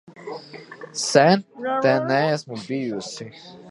Sen te neesmu bijusi.